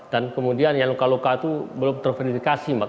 dan kemudian yang luka luka itu belum terverifikasi mbak